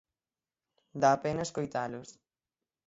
Dá pena escoitalos.